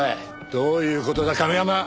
どういう事だ亀山！